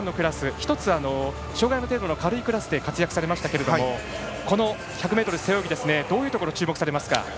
１つ、障がいの程度の軽いクラスで活躍されましたけれどもこの１００ｍ背泳ぎどういうところ、注目されますか。